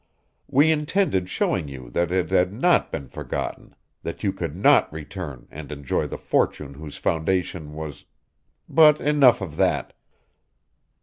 We intended showing you that it had not been forgotten, that you could not return and enjoy the fortune whose foundation was But enough of that!